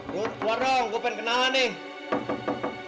ruth keluar dong gue pengen kenal nih